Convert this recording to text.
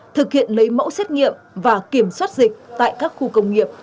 thực hiện lấy mẫu xét nghiệm và kiểm soát dịch tại các khu công nghiệp